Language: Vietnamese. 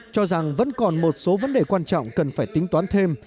cho rằng vẫn còn một số vấn đề quan trọng cần phải tính toán thêm